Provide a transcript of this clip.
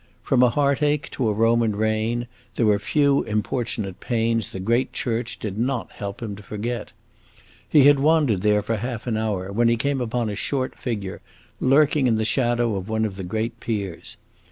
From a heart ache to a Roman rain there were few importunate pains the great church did not help him to forget. He had wandered there for half an hour, when he came upon a short figure, lurking in the shadow of one of the great piers.